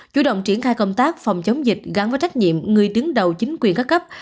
chủ động triển khai công tác phòng chống dịch gắn với trách nhiệm người đứng đầu chính quyền các cấp